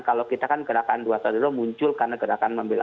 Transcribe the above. kalau kita kan gerakan dua saudara muncul karena gerakan mobil ada